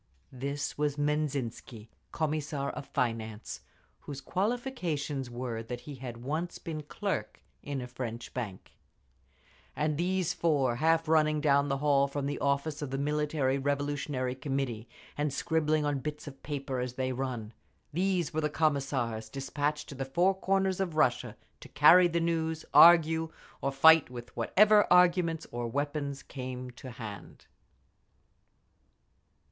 This was Menzhinsky, Commissar of Finance, whose qualifications were that he had once been clerk in a French bank…. And these four half running down the hall from the office of the Military Revolutionary Committee, and scribbling on bits of paper as they run—these were Commissars despatched to the four corners of Russia to carry the news, argue, or fight—with whatever arguments or weapons came to hand….